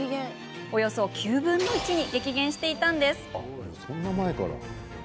およそ９分の１に激減していたんです。